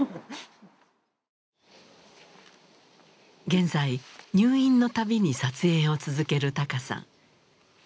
現在入院の度に撮影を続けるＴＡＫＡさん。